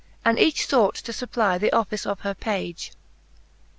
And each fought to fupply the office of her page.